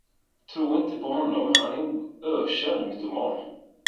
Tro inte på honom, han är ökänd mytoman.